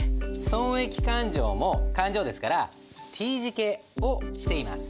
損益勘定も勘定ですからＴ字形をしています。